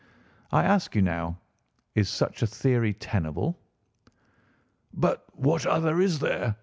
I ask you now, is such a theory tenable?" "But what other is there?"